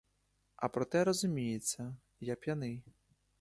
А проте, розуміється, я п'яний.